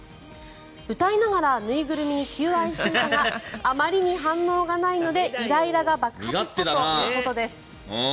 歌いながら縫いぐるみに求愛していたがあまりに反応がないのでイライラが爆発したということです。